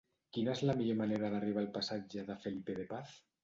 Quina és la millor manera d'arribar al passatge de Felipe de Paz?